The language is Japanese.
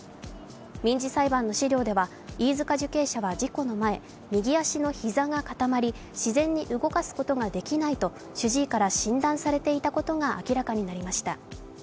民事裁判の資料では飯塚受刑者は事故の前右足の膝が固まり、自然に動かすことができないと主治医から診断されていたことが明らかになりました。